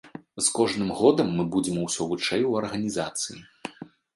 З кожным годам мы будзем усё вышэй у арганізацыі.